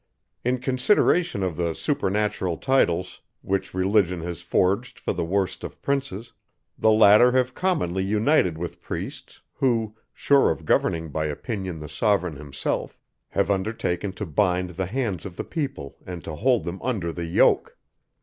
In consideration of the supernatural titles, which religion has forged for the worst of princes, the latter have commonly united with priests, who, sure of governing by opinion the sovereign himself, have undertaken to bind the hands of the people and to hold them under the yoke.